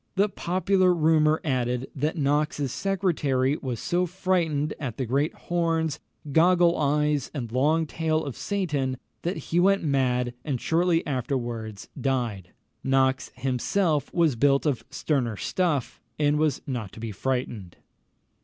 The popular rumour added, that Knox's secretary was so frightened at the great horns, goggle eyes, and long tail of Satan, that he went mad, and shortly afterwards died. Knox himself was built of sterner stuff, and was not to be frightened.